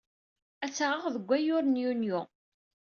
Ad tt-aɣeɣ deg wayyur n Yunyu.